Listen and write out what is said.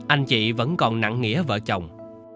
anh chị vẫn còn nặng nghĩa vợ chồng